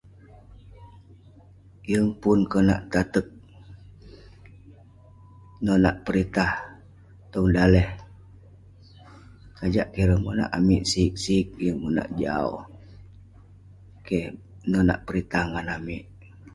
Yeng pun konak tateg nonak peritah tong daleh. Sajak kek ireh monak amik sig sig, yeng monak jau. Keh nonak peritah ngan amik.